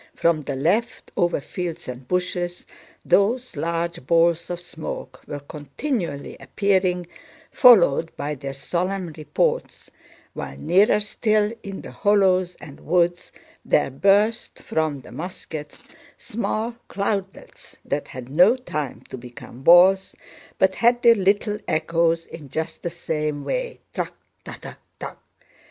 From the left, over fields and bushes, those large balls of smoke were continually appearing followed by their solemn reports, while nearer still, in the hollows and woods, there burst from the muskets small cloudlets that had no time to become balls, but had their little echoes in just the same way. "Trakh ta ta takh!"